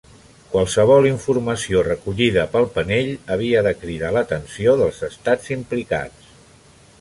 Qualsevol informació recollida pel panell havia de cridar l'atenció dels estats implicats.